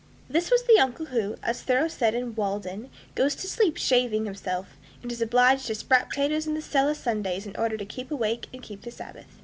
This was the uncle who, as Thoreau said in "Walden," "goes to sleep shaving himself, and is obliged to sprout potatoes in a cellar Sundays in order to keep awake and keep the Sabbath."